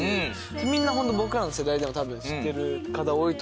みんなホント僕らの世代でも多分知ってる方多いと思います。